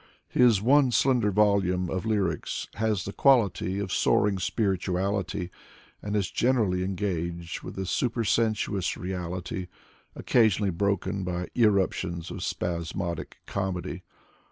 His one slender volume of lyrics has the quality of soaring spirituality, and is generally engaged with a supersensuous reality, occasionally broken by irruptions of spasmodic comedy.